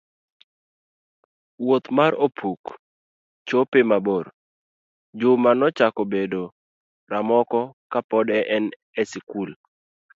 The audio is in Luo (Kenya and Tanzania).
Wuoth mar opuk, chope mabor, Juma nochako bedo ramoko kapod en e skul.